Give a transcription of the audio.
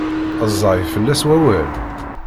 Ẓẓay fell-as wawal?